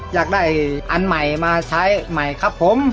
อยากได้อันใหม่มาใช้ใหม่ครับผม